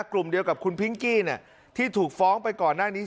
กลุ่มเดียวกับคุณพิงกี้ที่ถูกฟ้องไปก่อนหน้านี้